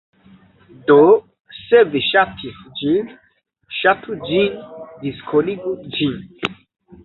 Do, se vi ŝatis ĝin, ŝatu ĝin diskonigu ĝin